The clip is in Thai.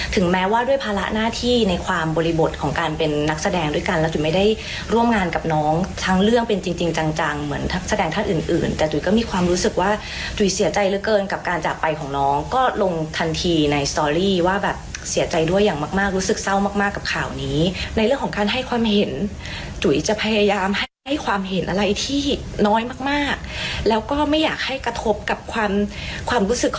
ถึงแม้ว่าด้วยภาระหน้าที่ในความบริบทของการเป็นนักแสดงด้วยกันแล้วจุ๋ยไม่ได้ร่วมงานกับน้องทั้งเรื่องเป็นจริงจังจังเหมือนแสดงท่านอื่นอื่นแต่จุ๋ยก็มีความรู้สึกว่าจุ๋ยเสียใจเหลือเกินกับการจากไปของน้องก็ลงทันทีในสตอรี่ว่าแบบเสียใจด้วยอย่างมากมากรู้สึกเศร้ามากมากกับข่าว